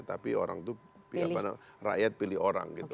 tapi orang itu rakyat pilih orang gitu